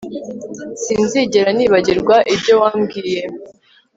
Sinzigera nibagirwa ibyo wambwiye